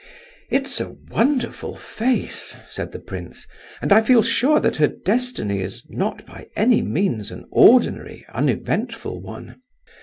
"It's a wonderful face," said the prince, "and I feel sure that her destiny is not by any means an ordinary, uneventful one.